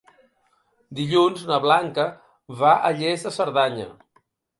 Dilluns na Blanca va a Lles de Cerdanya.